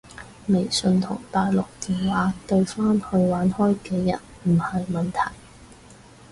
微信同大陸電話對返去玩開嘅人唔係問題